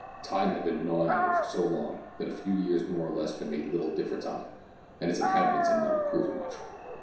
Time had been gnawing at it so long that a few years more or less made little difference on it, and its inhabitants had not improved much.